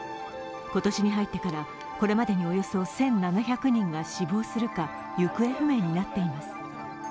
今年に入ってから、これまでにおよそ１７００人が死亡するか行方不明になっています。